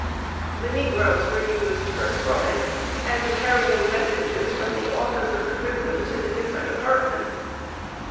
The negroes were used for scrubbing and carrying messages from the office of the prison to the different apartments.